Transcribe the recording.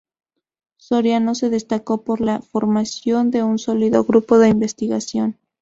Soriano se destacó por la formación de un sólido grupo de investigación.